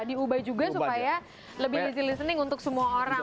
diubah juga supaya lebih resilisening untuk semua orang